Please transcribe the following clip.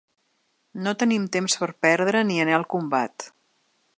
No tenim temps per perdre ni anar al combat.